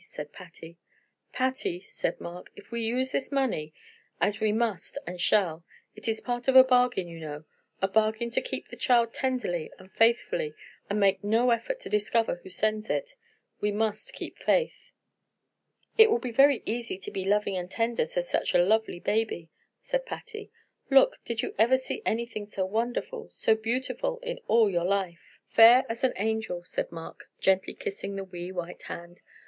said Patty. "Patty," said Mark, "if we use this money, as we must and shall, it is part of a bargain, you know a bargain to keep the child tenderly and faithfully, and make no effort to discover who sends it. We must keep faith." "It will be very easy to be loving and tender to such a lovely baby," said Patty. "Look, did you ever see anything so wonderful, so beautiful, in all your life?" "Fair as an angel," said Mark, gently kissing the wee white hand.